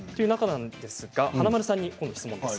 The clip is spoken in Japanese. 華丸さんに今度質問です。